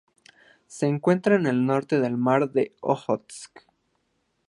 Se encuentra al norte del Mar de Ojotsk.